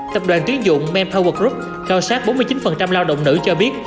tập đoàn tuyến dụng manpower group khảo sát bốn mươi chín lao động nữ cho biết